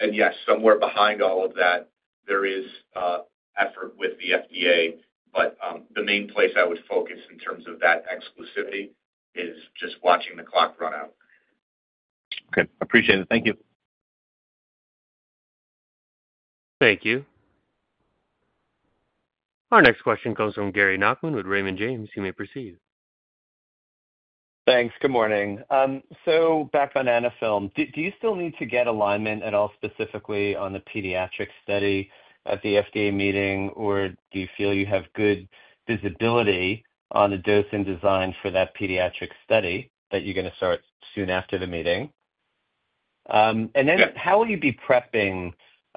And yes, somewhere behind all of that, there is effort with the FDA. But the main place I would focus in terms of that exclusivity is just watching the clock run out. Okay. Appreciate it. Thank you. Thank you. Our next question comes from Gary Nachman with Raymond James. You may proceed. Thanks. Good morning. So back on Anaphil, do you still need to get alignment at all specifically on the pediatric study at the FDA meeting, or do you feel you have good visibility on the dose and design for that pediatric study that you're going to start soon after the meeting? And then how will you be prepping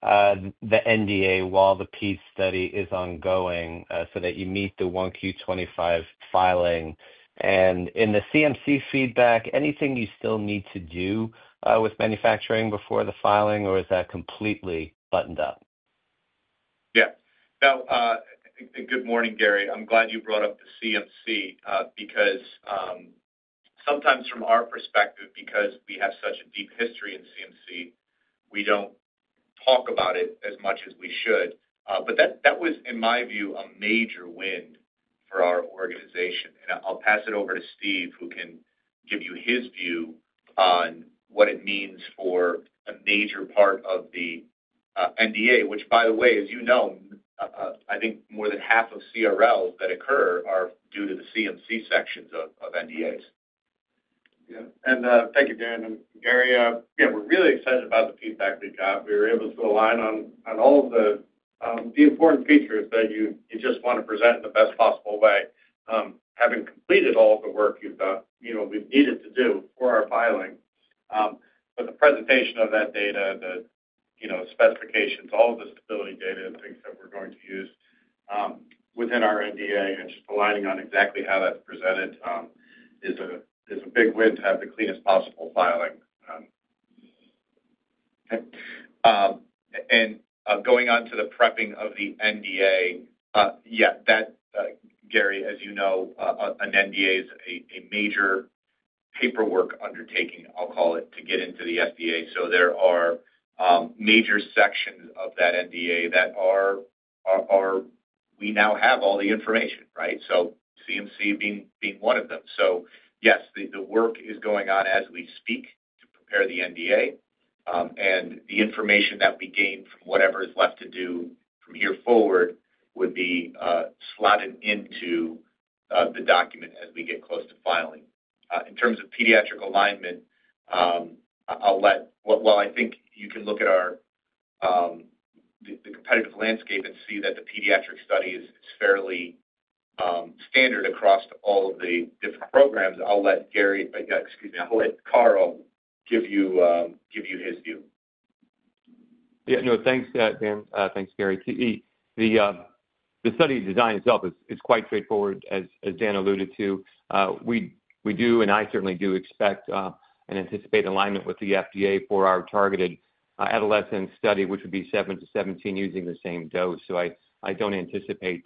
the NDA while the Peds study is ongoing so that you meet the 1Q25 filing? And in the CMC feedback, anything you still need to do with manufacturing before the filing, or is that completely buttoned up? Yeah. Now, good morning, Gary. I'm glad you brought up the CMC because sometimes from our perspective, because we have such a deep history in CMC, we don't talk about it as much as we should. But that was, in my view, a major win for our organization. And I'll pass it over to Steve, who can give you his view on what it means for a major part of the NDA, which, by the way, as you know, I think more than half of CRLs that occur are due to the CMC sections of NDAs. Yeah. And thank you, Gary. And Gary, yeah, we're really excited about the feedback we got. We were able to align on all of the important features that you just want to present in the best possible way, having completed all of the work we've needed to do for our filing. But the presentation of that data, the specifications, all of the stability data and things that we're going to use within our NDA, and just aligning on exactly how that's presented is a big win to have the cleanest possible filing. Okay. And going on to the prepping of the NDA, yeah, Gary, as you know, an NDA is a major paperwork undertaking, I'll call it, to get into the FDA. So there are major sections of that NDA that we now have all the information, right? So CMC being one of them. So yes, the work is going on as we speak to prepare the NDA. And the information that we gain from whatever is left to do from here forward would be slotted into the document as we get close to filing. In terms of pediatric alignment, while I think you can look at the competitive landscape and see that the pediatric study is fairly standard across all of the different programs, I'll let Gary, excuse me, I'll let Carl give you his view. Yeah. Thanks, Dan. Thanks, Gary. The study design itself is quite straightforward, as Dan alluded to. We do, and I certainly do, expect and anticipate alignment with the FDA for our targeted adolescent study, which would be 7 to 17 using the same dose. So I don't anticipate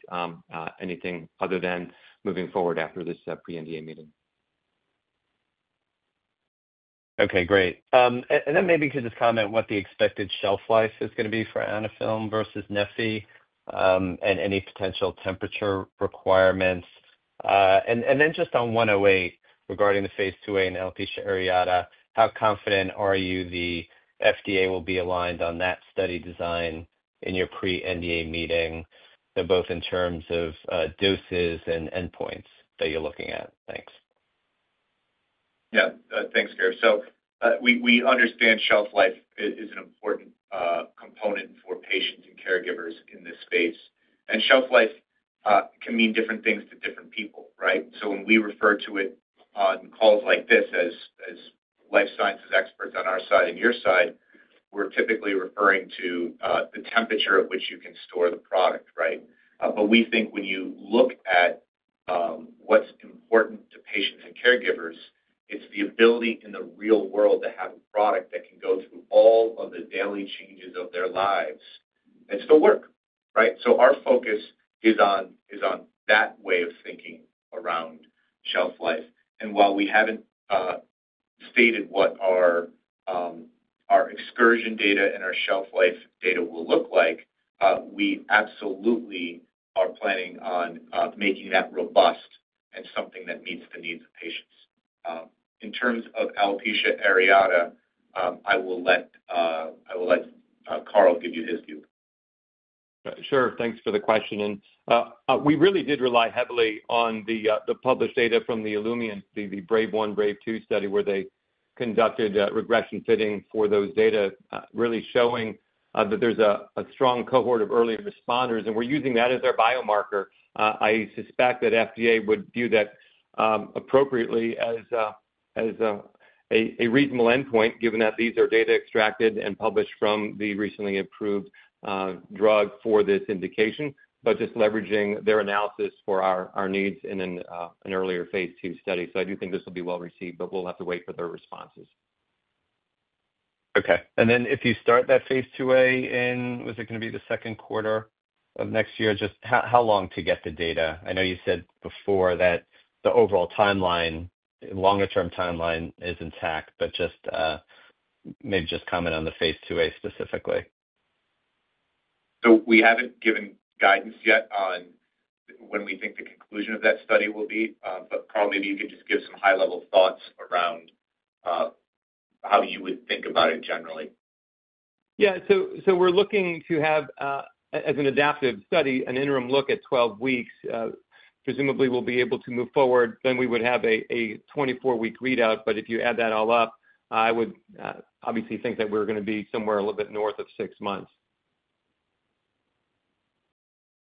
anything other than moving forward after this pre-NDA meeting. Okay. Great. And then maybe you could just comment on what the expected shelf life is going to be for Anaphil versus Neffy and any potential temperature requirements. And then just on 108, regarding the phase 2a and alopecia areata, how confident are you the FDA will be aligned on that study design in your pre-NDA meeting, both in terms of doses and endpoints that you're looking at? Thanks. Yeah. Thanks, Gary. So we understand shelf life is an important component for patients and caregivers in this space. And shelf life can mean different things to different people, right? So when we refer to it on calls like this as life sciences experts on our side and your side, we're typically referring to the temperature at which you can store the product, right? But we think when you look at what's important to patients and caregivers, it's the ability in the real world to have a product that can go through all of the daily changes of their lives and still work, right? So our focus is on that way of thinking around shelf life. And while we haven't stated what our excursion data and our shelf life data will look like, we absolutely are planning on making that robust and something that meets the needs of patients. In terms of alopecia areata, I will let Carl give you his view. Sure. Thanks for the question. We really did rely heavily on the published data from the Olumiant's, the BRAVE 1, BRAVE 2 study, where they conducted regression fitting for those data, really showing that there's a strong cohort of early responders. We're using that as our biomarker. I suspect that FDA would view that appropriately as a reasonable endpoint, given that these are data extracted and published from the recently approved drug for this indication, but just leveraging their analysis for our needs in an earlier phase 2 study. I do think this will be well received, but we'll have to wait for their responses. Okay. And then if you start that phase 2a in, was it going to be the second quarter of next year? Just how long to get the data? I know you said before that the overall longer-term timeline is intact, but maybe just comment on the phase 2a specifically. So we haven't given guidance yet on when we think the conclusion of that study will be. But Carl, maybe you could just give some high-level thoughts around how you would think about it generally. Yeah. So we're looking to have, as an adaptive study, an interim look at 12 weeks. Presumably, we'll be able to move forward. Then we would have a 24-week readout. But if you add that all up, I would obviously think that we're going to be somewhere a little bit north of six months.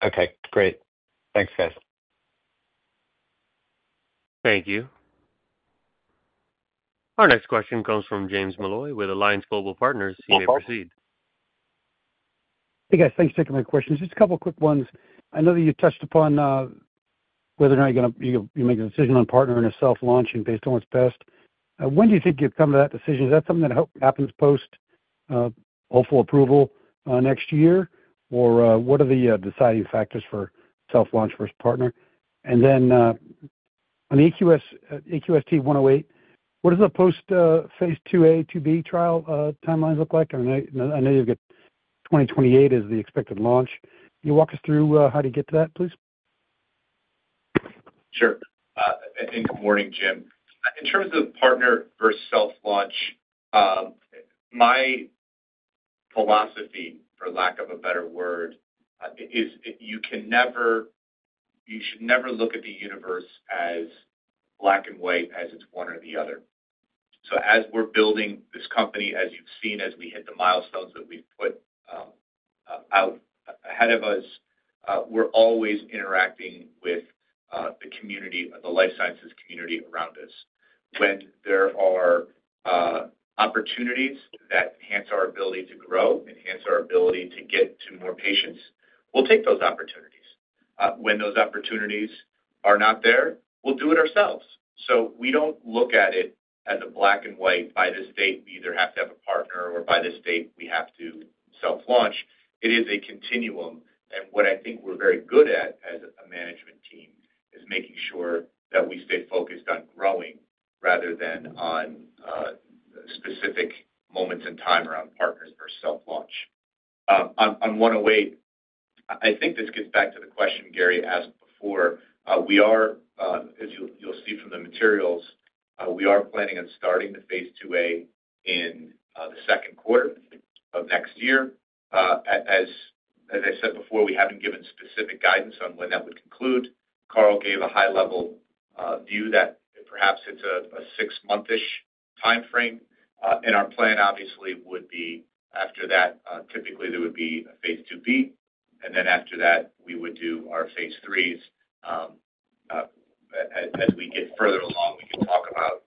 Okay. Great. Thanks, guys. Thank you. Our next question comes from James Molloy with Alliance Global Partners. He may proceed. Hey, guys. Thanks for taking my questions. Just a couple of quick ones. I know that you touched upon whether or not you're going to make a decision on partnering or self-launching based on what's best. When do you think you've come to that decision? Is that something that happens post hopeful approval next year, or what are the deciding factors for self-launch versus partner? And then on the AQST-108, what does the post-phase 2a, 2b trial timeline look like? I know you've got 2028 as the expected launch. Can you walk us through how to get to that, please? Sure. And good morning, Jim. In terms of partner versus self-launch, my philosophy, for lack of a better word, is you should never look at the universe as black and white as it's one or the other. So as we're building this company, as you've seen, as we hit the milestones that we've put out ahead of us, we're always interacting with the life sciences community around us. When there are opportunities that enhance our ability to grow, enhance our ability to get to more patients, we'll take those opportunities. When those opportunities are not there, we'll do it ourselves. So we don't look at it as a black and white, by this date we either have to have a partner, or by this date we have to self-launch. It is a continuum. What I think we're very good at as a management team is making sure that we stay focused on growing rather than on specific moments in time around partners versus self-launch. On 108, I think this gets back to the question Gary asked before. As you'll see from the materials, we are planning on starting the phase 2a in the second quarter of next year. As I said before, we haven't given specific guidance on when that would conclude. Carl gave a high-level view that perhaps it's a six-month-ish timeframe. Our plan, obviously, would be after that, typically there would be a phase 2b. And then after that, we would do our phase 3s. As we get further along, we can talk about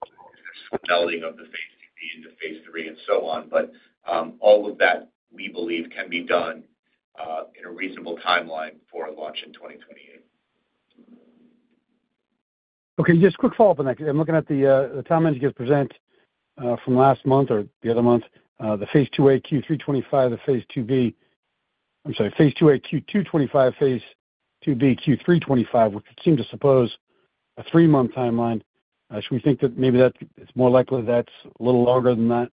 the melding of the phase 2b into phase 3 and so on. But all of that, we believe, can be done in a reasonable timeline for launch in 2028. Okay. Just a quick follow-up on that. I'm looking at the timeline you guys present from last month or the other month, the phase 2a Q325, the phase 2b, I'm sorry, phase 2a Q225, phase 2b Q325, which would seem to suppose a three-month timeline. Should we think that maybe it's more likely that that's a little longer than that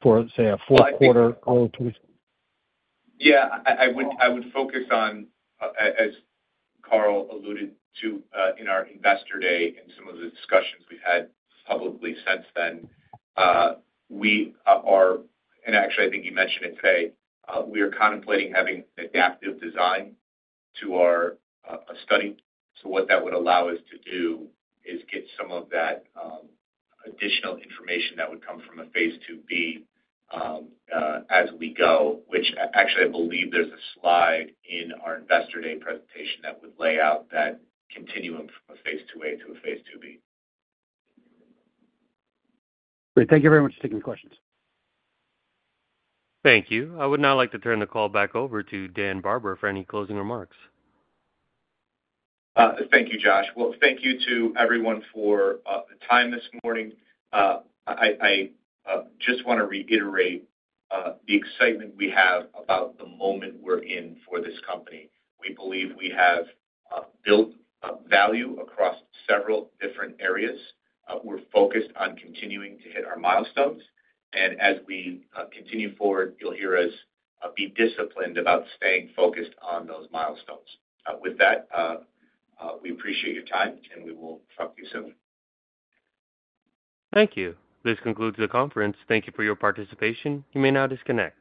for, say, a fourth quarter? Yeah. I would focus on, as Carl alluded to in our investor day and some of the discussions we've had publicly since then, we are, and actually, I think you mentioned it today, we are contemplating having an adaptive design to our study. So what that would allow us to do is get some of that additional information that would come from a phase 2b as we go, which actually, I believe there's a slide in our investor day presentation that would lay out that continuum from a phase 2a to a phase 2b. Great. Thank you very much for taking the questions. Thank you. I would now like to turn the call back over to Dan Barber for any closing remarks. Thank you, Josh. Thank you to everyone for the time this morning. I just want to reiterate the excitement we have about the moment we're in for this company. We believe we have built value across several different areas. We're focused on continuing to hit our milestones. As we continue forward, you'll hear us be disciplined about staying focused on those milestones. With that, we appreciate your time, and we will talk to you soon. Thank you. This concludes the conference. Thank you for your participation. You may now disconnect.